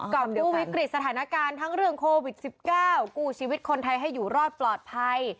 กู้วิกฤตสถานการณ์ทั้งเรื่องโควิด๑๙กู้ชีวิตคนไทยให้อยู่รอดปลอดภัย